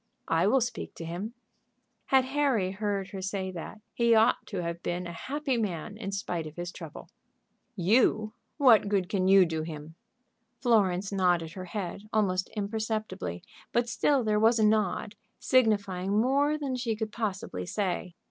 "I will speak to him." Had Harry heard her say that, he ought to have been a happy man in spite of his trouble. "You! What good can you do him?" Florence nodded her head, almost imperceptibly, but still there was a nod, signifying more than she could possibly say.